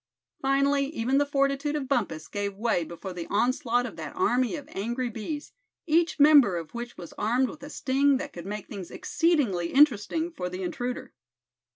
Finally even the fortitude of Bumpus gave way before the onslaught of that army of angry bees, each member of which was armed with a sting that could make things exceedingly interesting for the intruder.